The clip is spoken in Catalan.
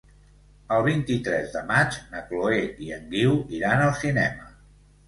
El vint-i-tres de maig na Chloé i en Guiu iran al cinema.